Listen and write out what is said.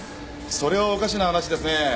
それはおかしな話ですね。